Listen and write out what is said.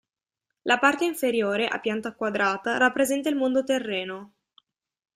La parte inferiore, a pianta quadrata, rappresenta il mondo terreno.